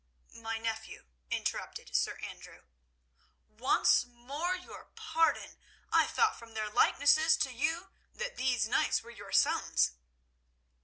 "My nephew," interrupted Sir Andrew. "Once more your pardon. I thought from their likeness to you that these knights were your sons."